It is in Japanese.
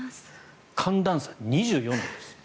寒暖差２４度です。